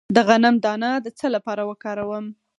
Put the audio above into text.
د غنم دانه د څه لپاره وکاروم؟